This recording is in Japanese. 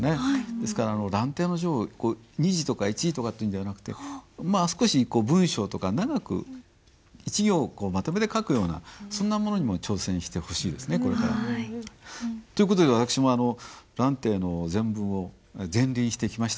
ですから「蘭亭序」を２字とか１字とかっていうんではなくて少し文章とか長く１行まとめて書くようなそんなものにも挑戦してほしいですねこれから。という事で私も「蘭亭」の全文を全臨してきましたので。